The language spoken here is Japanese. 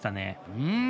うん。